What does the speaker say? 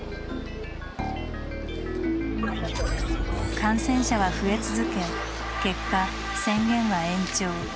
感染者は増え続け結果宣言は延長。